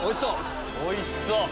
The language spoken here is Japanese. おいしそう。